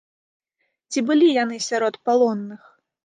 Ці былі яны сярод палонных?